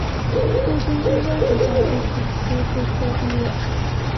陆军军官学校第四期步科毕业。